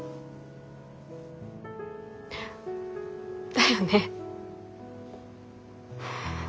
だよね。